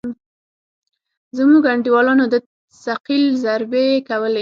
زموږ انډيوالانو د ثقيل ضربې کولې.